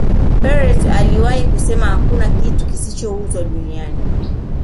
Perez aliwahi kusema hakuna kitu kisichouzwa duniani